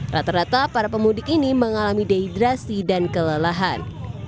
rata rata para pemudik ini mengalami dehidrasi dan kelelahan